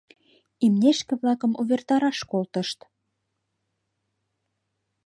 Имнешке-влакым увертараш колтышт.